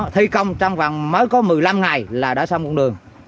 thi công trong vàng mới có một mươi năm ngày là đã xong con đường